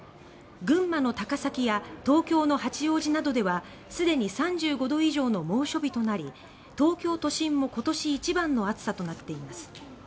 群馬の高崎や東京の八王子などではすでに３５度以上の猛暑日となり東京都心も今年一番の暑さとなっています。